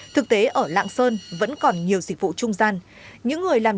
thực tế ở lạng sơn vẫn còn nhiều dịch vụ trung gian